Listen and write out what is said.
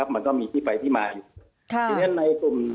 มันก็มีที่ไปที่มาอยู่